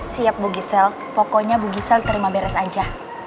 siap bu gisel pokoknya bu gisel terima beres aja